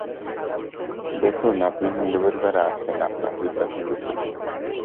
দেখুন, আপনি হিন্দুপরিবারে আছেন, আপনার পিতা হিন্দু ছিলেন।